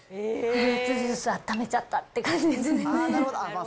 フルーツジュースあっためちゃったって感じですね。